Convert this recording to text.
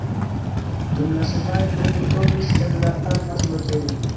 Dum la semajno, mi dormis en la “amas-loĝejo”.